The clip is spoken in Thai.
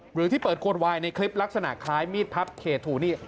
หรือที่เปิดโคนวายในคลิปลักษณะคล้ายมีดพับเคทูนี่